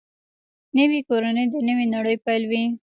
نوې کورنۍ د نوې نړۍ پیل وي